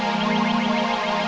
kamu sudah datang